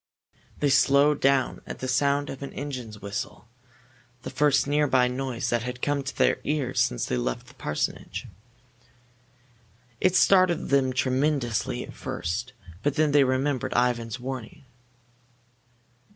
They slowed down at the sound of an engine's whistle, the first nearby noise that had come to their ears since they had left the parsonage. It startled them tremendously at first, but then they remembered Ivan's warning.